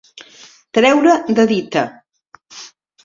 Treure de dita.